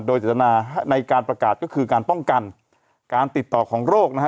โดยเจตนาในการประกาศก็คือการป้องกันการติดต่อของโรคนะฮะ